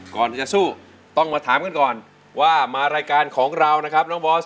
ก่อนจะสู้ต้องมาถามกันก่อนว่ามารายการของเรานะครับน้องบอส